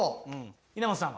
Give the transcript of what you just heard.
稲本さんは？